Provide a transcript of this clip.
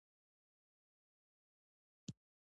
الکول یا اسیټون کرسټل وایولېټ رنګ لرې کړی نه وي.